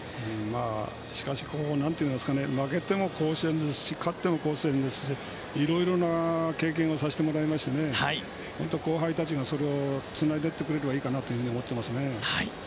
しかし、負けても甲子園ですし勝っても甲子園ですしいろいろな経験をさせてもらって後輩がそれをつないでいってくれればいいと思います。